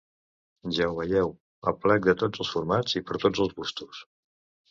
Ja ho veieu, aplecs de tots els formats i per a tots els gustos.